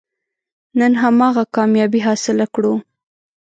نن هماغه کامیابي حاصله کړو.